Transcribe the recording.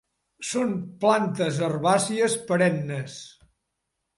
Són plantes herbàcies perennes.